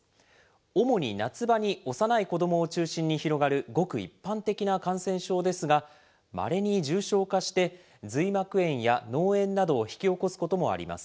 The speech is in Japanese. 主に夏場に幼い子どもを中心に広がるごく一般的な感染症ですが、まれに重症化して、髄膜炎や脳炎などを引き起こすこともあります。